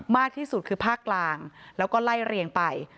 มากที่สุดคือภาคกลางแล้วก็ไล่เรียงไป